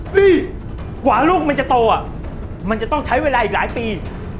กว่าลูกมันจะโตอ่ะมันจะต้องใช้เวลาอีกหลายปี